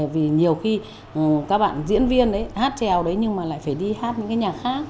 vì nhiều khi các bạn diễn viên hát treo đấy nhưng mà lại phải đi hát những cái nhạc khác